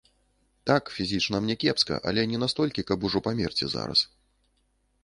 Так, фізічна мне кепска, але не настолькі, каб ужо памерці зараз.